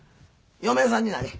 嫁さんになれ。